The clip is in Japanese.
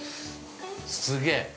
すげえ。